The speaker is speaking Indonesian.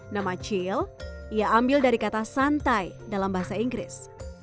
nama cil ia ambil dari kata santai dalam bahasa inggris